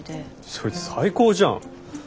そいつ最高じゃん。